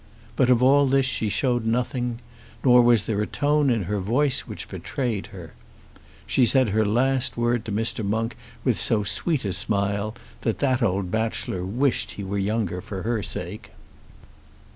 But of all this she showed nothing, nor was there a tone in her voice which betrayed her. She said her last word to Mr. Monk with so sweet a smile that that old bachelor wished he were younger for her sake.